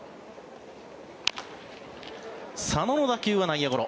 佐野の打球は内野ゴロ。